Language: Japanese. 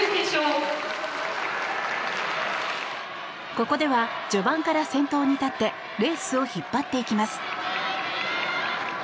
ここでは序盤から先頭に立ってレースを引っ張っていきます。